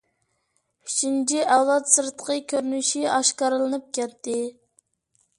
ئۈچىنچى ئەۋلاد سىرتقى كۆرۈنۈشى ئاشكارىلىنىپ كەتتى.